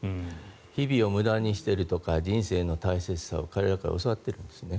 日々を無駄にしているとか人生の大切さを彼らから教わっているんですね。